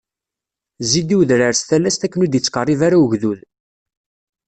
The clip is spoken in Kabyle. Zzi-d i wedrar s talast akken ur d-ittqerrib ara ugdud.